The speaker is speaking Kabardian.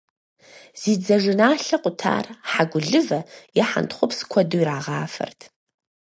Зи дзажэналъэ къутар хьэгулывэ е хьэнтхъупс куэду ирагъафэрт.